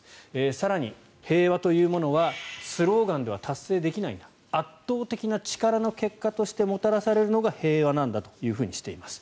更に、平和というものはスローガンでは達成できないんだ圧倒的な力の結果としてもたらされるのが平和なんだというふうにしています。